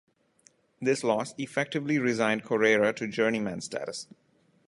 This loss effectively resigned Correira to journeyman status.